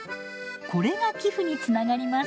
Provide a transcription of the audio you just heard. これが寄付につながります。